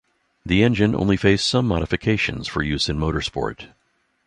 The engine only faced some modifications for use in motorsport.